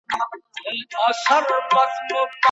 په قلم لیکنه کول د خوبونو د تعبیرولو لاره ده.